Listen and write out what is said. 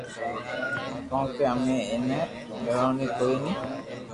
ڪونڪھ امي ايتا گيوني تو ڪوئي ني